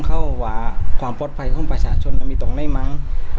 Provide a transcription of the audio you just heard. ว่าความปลอดภัยของประชาชนมันมีตรงได้มั้ง